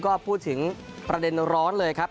ก็พูดถึงประเด็นร้อนเลยครับ